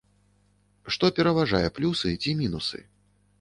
Што пераважвае, плюсы ці мінусы?